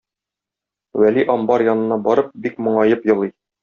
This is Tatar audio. Вәли амбар янына барып бик моңаеп елый.